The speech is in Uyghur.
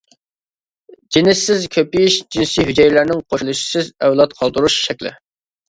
جىنسسىز كۆپىيىش جىنسىي ھۈجەيرىلەرنىڭ قوشۇلۇشىسىز ئەۋلاد قالدۇرۇش شەكلى.